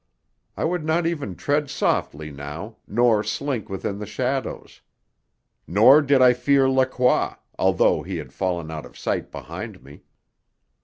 I would not even tread softly now, nor slink within the shadows. Nor did I fear Lacroix, although he had fallen out of sight behind me.